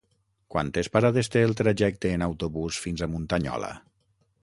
Quantes parades té el trajecte en autobús fins a Muntanyola?